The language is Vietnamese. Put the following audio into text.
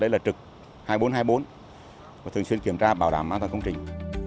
đây là trực hai nghìn bốn trăm hai mươi bốn và thường xuyên kiểm tra bảo đảm an toàn công trình